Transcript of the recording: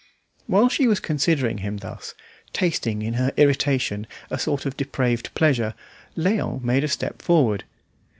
While she was considering him thus, tasting in her irritation a sort of depraved pleasure, Léon made a step forward.